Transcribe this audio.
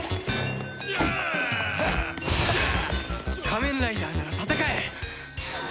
仮面ライダーなら戦え！